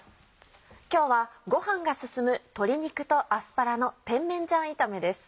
今日はご飯が進む「鶏肉とアスパラの甜麺醤炒め」です。